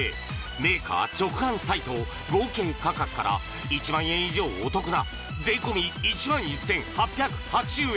メーカー直販サイト合計価格から１００００円以上お得な税込１１８８０円